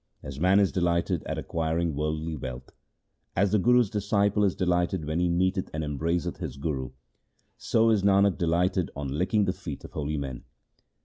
As man is delighted at acquiring worldly wealth, As the Guru's disciple is delighted when he meeteth and embraceth his Guru, So is Nanak delighted on licking the feet of holy men.